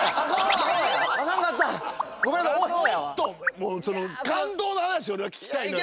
もうその感動の話を俺は聞きたいのよ。